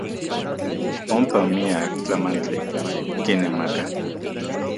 Onpa miak tlamantli kinemakaj.